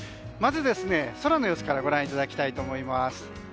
まず、空の様子からご覧いただきたいと思います。